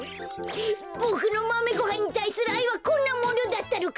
ボクのマメごはんにたいするあいはこんなものだったのか？